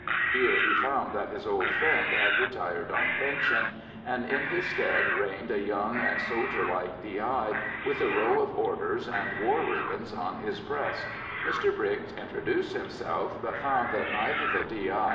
Here he found that his old friend had retired on pension, and in his stead reigned a young and soldier like D.I., with a row of orders and war ribbons on his breast. Mr Briggs introduced himself, but found that neither the D.I.